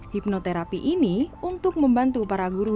hipnoterapi ini untuk membantu para guru